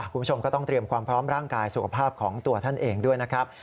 คุณผู้ชมก็ต้องเตรียมความพร้อมร่างกายสุขภาพของตัวท่านเองด้วยนะครับ